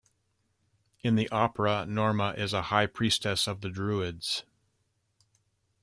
In the opera, Norma is a high priestess of the Druids.